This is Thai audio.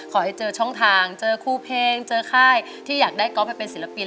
ขอให้เจอช่องทางเจอครูเพลงเจอค่ายที่อยากได้ก๊อฟไปเป็นศิลปิน